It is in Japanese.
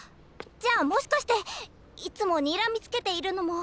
じゃあもしかしていつもにらみつけているのも。